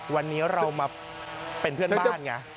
วันนี้เรามาเป็นเพื่อนบ้านไง